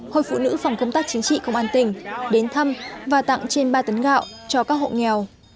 hội phụ nữ phòng công tác chính trị công an tỉnh đến thăm và tặng trên ba tấn gạo cho các hộ nghèo